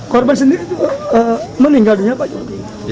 korban sendiri meninggal dunia